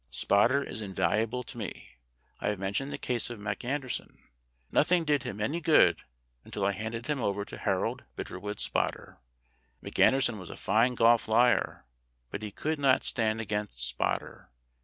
Spotter is invaluable to me. I have mentioned the case of McAnderson. Nothing did him any good until I handed him over to Harold Bitterwood Spotter. McAnderson 'was a fine golf liar, but he could not stand against Spotter.